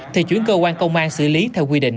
thì chuyển cơ quan công an xử lý theo quy định